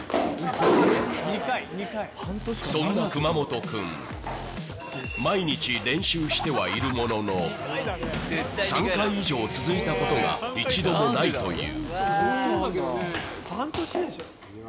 そんな熊本君、毎日練習してはいるものの、３回以上続いたことが一度もないという。